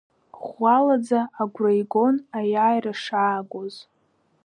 Ӷәӷәалаӡа агәра игон аиааира шаагоз.